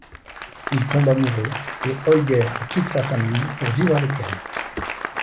Ils tombent amoureux, et Holger quitte sa famille pour vivre avec elle.